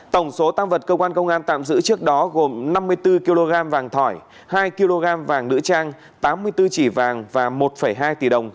tổng số tăng vật cơ quan công an tạm giữ trước đó gồm năm mươi bốn kg vàng thỏi hai kg vàng nữ trang tám mươi bốn chỉ vàng và một hai tỷ đồng